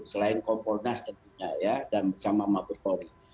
selain kompor nas dan mabes polri